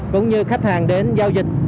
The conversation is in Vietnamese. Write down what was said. cũng như khách hàng đến giao dịch